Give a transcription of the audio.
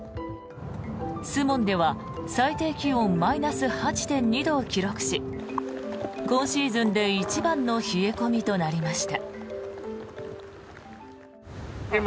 守門では最低気温マイナス８．２度を記録し今シーズンで一番の冷え込みとなりました。